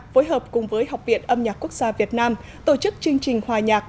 phối hợp cùng với học viện âm nhạc quốc gia việt nam tổ chức chương trình hòa nhạc